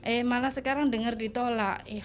eh malah sekarang dengar ditolak